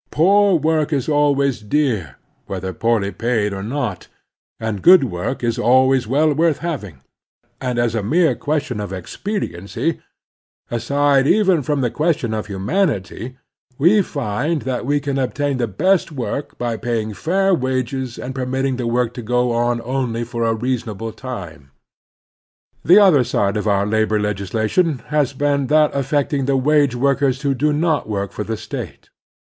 Poor work is always dear, whether poorly paid or not, and good work is always well worth having; and as a mere question of expediency, aside even from the question of hiunanity, we find that we can obtain the best work by paying fair wages and pennitting the work to go on only for a reasonable time. The other side of our labor legislation has been that affecting the wage workers who do not work for the State.